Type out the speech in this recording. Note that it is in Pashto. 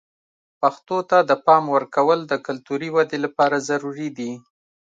پښتو ته د پام ورکول د کلتوري ودې لپاره ضروري دي.